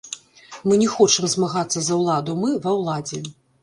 Мы не хочам змагацца за ўладу, мы ва ўладзе.